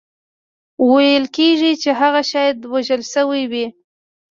ویل کېږي هغه شاید وژل شوی وي.